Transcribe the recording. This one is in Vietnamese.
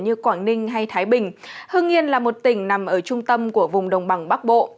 như quảng ninh hay thái bình hưng yên là một tỉnh nằm ở trung tâm của vùng đồng bằng bắc bộ